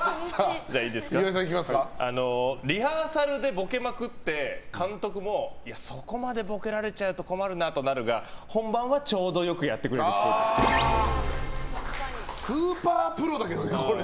リハーサルでボケまくって監督もそこまではボケられちゃうと困るなとなるが本番はちょうどよくスーパープロだけどね。